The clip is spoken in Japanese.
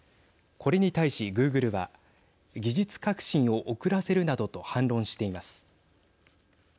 これに対しグーグルは技術革新を遅らせるなどと反論しています。